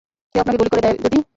কেউ আপনাকে গুলি করে দেয় যদি?